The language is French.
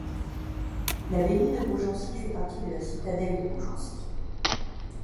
L'abbaye de Beaugency fait partie de la citadelle de Beaugency.